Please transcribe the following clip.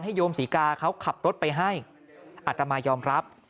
โยมศรีกาเขาขับรถไปให้อัตมายอมรับ